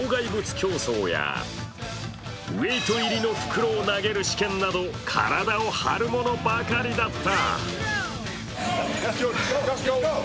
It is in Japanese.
競走やウエイト入りの袋を投げる試験など体を張るものばかりだった。